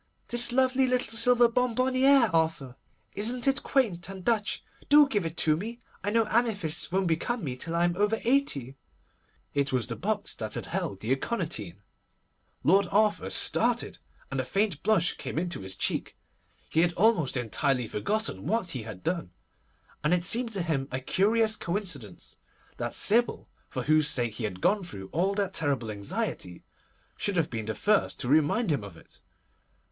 'This lovely little silver bonbonnière, Arthur. Isn't it quaint and Dutch? Do give it to me! I know amethysts won't become me till I am over eighty.' It was the box that had held the aconitine. Lord Arthur started, and a faint blush came into his cheek. He had almost entirely forgotten what he had done, and it seemed to him a curious coincidence that Sybil, for whose sake he had gone through all that terrible anxiety, should have been the first to remind him of it.